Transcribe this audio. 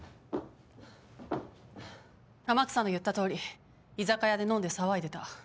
天草の言ったとおり居酒屋で飲んで騒いでた。